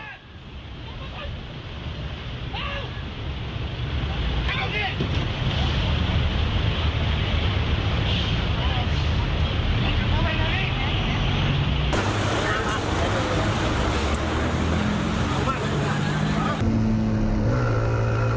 ตรงนี้